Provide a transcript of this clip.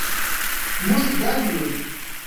مونږ ګډ یو